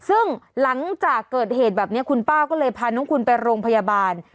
ซึ่งหลังจากเกิดเหตุแบบนี้คุณป้าก็เลยพาน้องคุณไปโรงพยาบาล